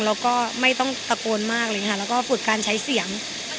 แล้วก็ไม่ต้องตะโกนมากเลยค่ะแล้วก็ฝึกการใช้เสียง